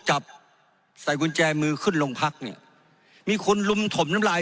จับใส่กุญแจมือขึ้นโรงพักเนี่ยมีคนลุมถมน้ำลาย